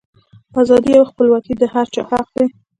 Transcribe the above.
ازادي او خپلواکي د هر چا حق دی.